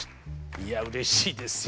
いやうれしいですよ